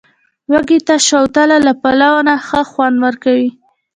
وږي ته، شوتله له پلاو نه ښه خوند ورکوي.